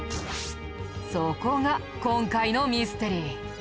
そこが今回のミステリー。